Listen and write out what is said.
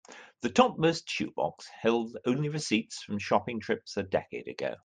The topmost shoe box held only receipts from shopping trips a decade ago.